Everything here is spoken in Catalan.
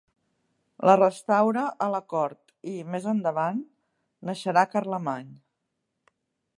La restaura a la cort i, més endavant, naixerà Carlemany.